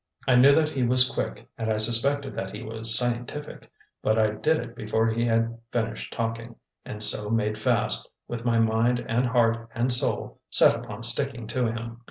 I knew that he was quick, and I suspected that he was "scientific," but I did it before he had finished talking, and so made fast, with my mind and heart and soul set upon sticking to him.